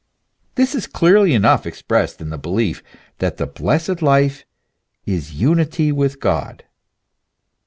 This is clearly enough expressed in the belief that the blessed life is unity with God.